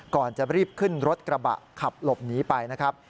ก่อนจะรีบขึ้นรถกระบะขับหลบหนีไปนะครับ